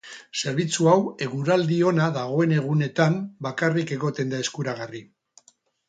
Zerbitzu hau, eguraldi ona dagoen egunetan bakarrik egoten da eskuragarri.